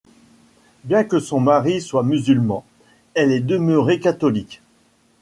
Bien que son mari soit musulman, elle est demeurée catholique.